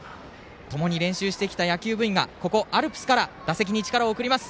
ともに練習してきた野球部員がここ、アルプスから力を送ります。